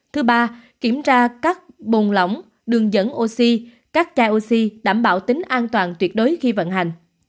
thứ ba kiểm tra các bồn lỏng đường dẫn oxy các chai oxy đảm bảo tính an toàn tuyệt đối khi vận hành